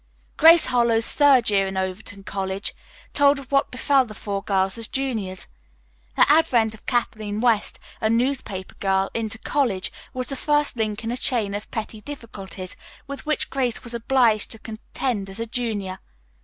"Grace Harlowe's Third Year at Overton College" told of what befell the four friends as juniors. The advent of Kathleen West, a newspaper girl, into college was the first link in a chain of petty difficulties with which Grace was obliged to contend as a junior.